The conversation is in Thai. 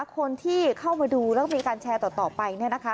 คนที่เข้ามาดูแล้วก็มีการแชร์ต่อไปเนี่ยนะคะ